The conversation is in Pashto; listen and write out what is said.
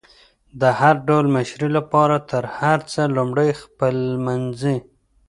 د هر ډول مشري لپاره تر هر څه لمړی خپلمنځي